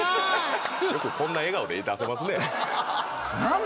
よくこんな笑顔で出せますね。